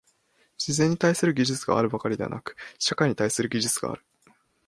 自然に対する技術があるばかりでなく、社会に対する技術がある。